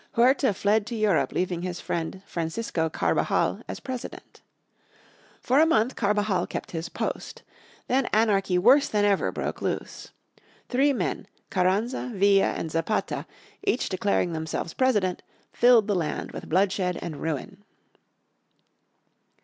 Huerta fled to Europe leaving his friend, Francisco Carbajal, as President. For a month Carbajal kept his post. Then anarchy worse than ever broke loose. Three men, Carranza, Villa, and Zapata, each declaring themselves President, filled the land with bloodshed and ruin.